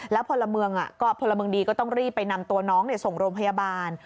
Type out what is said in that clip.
แล้วพลเมืองดีก็ต้องรีบไปนำตัวน้องส่งโรงพยาบาล